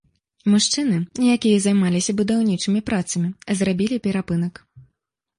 Мужчыны, якія займаліся будаўнічымі працамі, зрабілі перапынак.